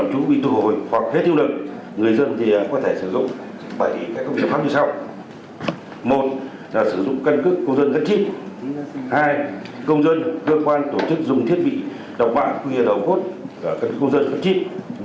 công dân cơ quan tổ chức dùng thiết bị đọc bản quyền đầu cốt của công dân các chiếc